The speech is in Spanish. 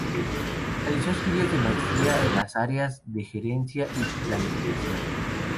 Realizó estudios de maestría en las áreas de Gerencia y Planificación.